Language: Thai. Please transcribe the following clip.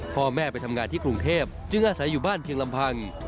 พ่อแม่ไปทำงานที่กรุงเทพจึงอาศัยอยู่บ้านเพียงลำพัง